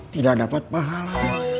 tidak dapat pahala